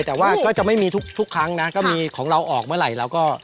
แต่ว่าก็จะไม่มีทุกครั้งนะก็มีของเราออกเมื่อไหร่เราก็